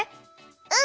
うん！